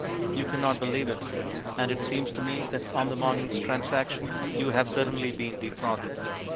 You cannot believe it. And it seems to me that on the morning's transaction you have certainly been defrauded.